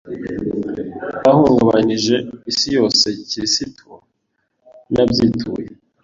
bahungabanije isi yose ya gikirisitu nabyituye